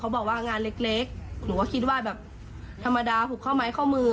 บอกว่างานเล็กหนูก็คิดว่าแบบธรรมดาผูกข้อไม้ข้อมือ